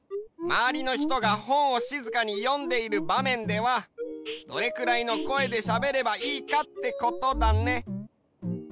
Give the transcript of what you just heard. まわりのひとがほんをしずかによんでいるばめんではどれくらいの声でしゃべればいいかってことだね。